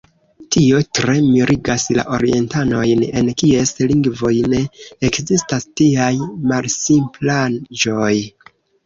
Tio tre mirigas la orientanojn, en kies lingvoj ne ekzistas tiaj malsimplaĵoj.